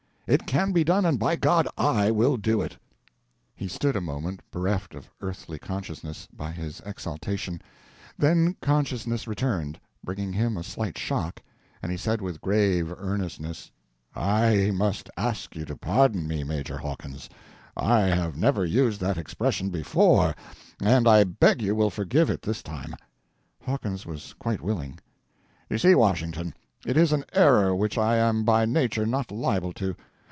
It can be done, and by God I will do it!" p187.jpg (52K) He stood a moment bereft of earthly consciousness by his exaltation; then consciousness returned, bringing him a slight shock, and he said with grave earnestness: "I must ask you to pardon me, Major Hawkins. I have never used that expression before, and I beg you will forgive it this time." Hawkins was quite willing. "You see, Washington, it is an error which I am by nature not liable to.